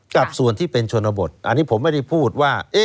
กับส่วนที่เป็นชนบทอันนี้ผมไม่ได้พูดว่า